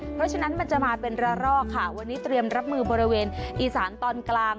เพราะฉะนั้นมันจะมาเป็นระลอกค่ะวันนี้เตรียมรับมือบริเวณอีสานตอนกลาง